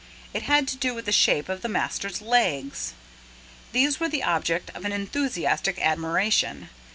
It had to do with the shape of the master's legs. These were the object of an enthusiastic admiration.